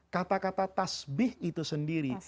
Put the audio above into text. kata kata tasbih itu sendiri